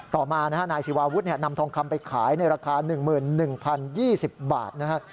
ต่อมานะฮะนายศิวาวุฒินำทองคำไปขายในราคา๑๑๐๒๐บาทนะครับ